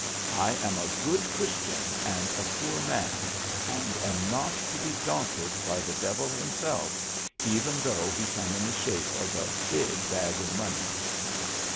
I am a good Christian and a poor man, and am not to be daunted by the devil himself, even though he come in the shape of a big bag of money."